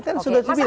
kan sudah jubilah